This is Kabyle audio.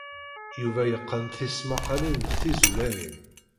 Yuba yeqqen tismaqqalin d tizuranin.